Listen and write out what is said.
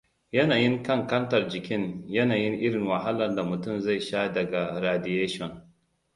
Yanayin ƙanƙantar jikin, yanayin irin wahalar da mutum zai sha daga radiation.